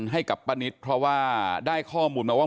ให้กับป้านิตเพราะว่าได้ข้อมูลมาว่า